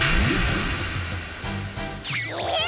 え！